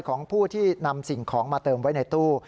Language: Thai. ของผู้ที่นำสิ่งของมาเติมไว้ในตู้